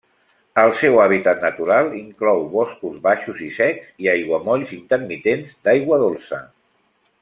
El seu hàbitat natural inclou boscos baixos i secs i aiguamolls intermitents d'aigua dolça.